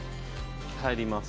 入ります。